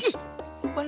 eh lo ngapain disini